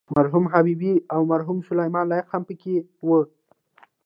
مرحوم حبیبي او مرحوم سلیمان لایق هم په کې وو.